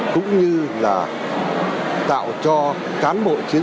cũng như là tạo cho cán bộ chiến